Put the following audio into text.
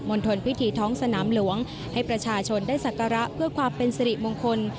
ณฑลพิธีท้องสนามหลวงให้ประชาชนได้สักการะเพื่อความเป็นสิริมงคล